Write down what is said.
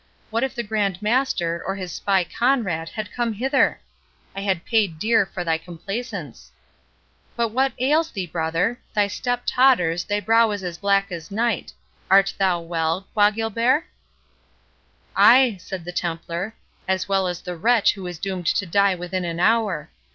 What if the Grand Master, or his spy Conrade, had come hither? I had paid dear for my complaisance.—But what ails thee, brother?—Thy step totters, thy brow is as black as night. Art thou well, Bois Guilbert?" "Ay," answered the Templar, "as well as the wretch who is doomed to die within an hour.